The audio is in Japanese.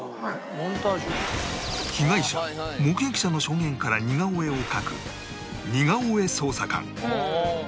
被害者目撃者の証言から似顔絵を描く似顔絵捜査官